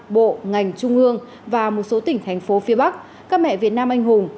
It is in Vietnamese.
bộ ngành trung ương và một số tỉnh thành phố phía bắc các mẹ việt nam anh hùng